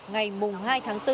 ngày mùng hai tháng bốn